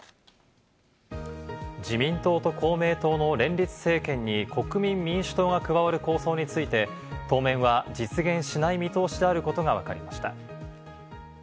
自民党と公明党の連立政権に国民民主党が加わる構想について、当面は実現しない見通しであることがわかりました。